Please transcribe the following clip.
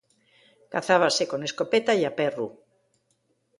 Cazábase con escopeta ya perru.